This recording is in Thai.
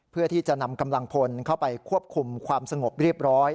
เพื่อที่จะนำกำลังพลเข้าไปควบคุมความสงบเรียบร้อย